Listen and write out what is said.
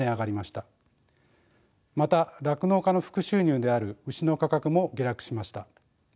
また酪農家の副収入である牛の価格も下落しました。